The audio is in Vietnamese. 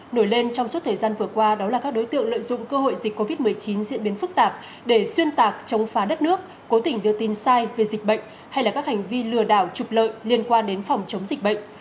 nổi lên trong suốt thời gian vừa qua đó là các đối tượng lợi dụng cơ hội dịch covid một mươi chín diễn biến phức tạp để xuyên tạc chống phá đất nước cố tình đưa tin sai về dịch bệnh hay là các hành vi lừa đảo trục lợi liên quan đến phòng chống dịch bệnh